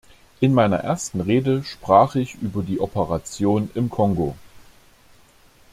In meiner ersten Rede sprach ich über die Operation im Kongo.